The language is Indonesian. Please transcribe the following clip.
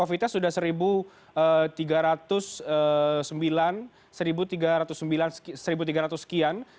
pasifmein per hari ini kasus covid nya sudah satu tiga ratus sembilan satu tiga ratus sembilan seribu tiga ratus sekian